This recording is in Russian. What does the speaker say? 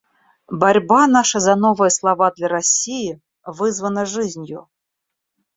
Борьба наша за новые слова для России вызвана жизнью.